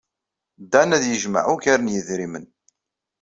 Dan ad yejmeɛ ugar n yedrimen.